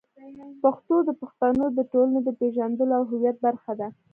پښتو د پښتنو د ټولنې د پېژندلو او هویت برخه ده.